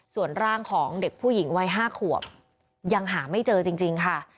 ส่วนร่างของเด็กผู้หญิงวัย๕ขวบยังหาไม่เจอจริงค่ะ